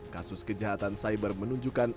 khusus kejahatan cyber menunjukkan